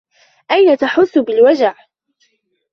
أين تحس بالوجع ؟